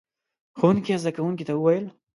ښوونکي زده کوونکو ته وويل: